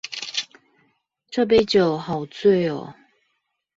這杯酒好醉喔